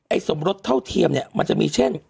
สมรสเท่าเทียมเนี่ยมันจะมีเช่น